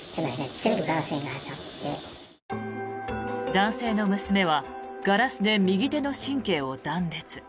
男性の娘はガラスで右手の神経を断裂。